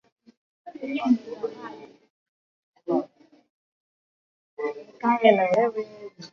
Nikae na wewe milele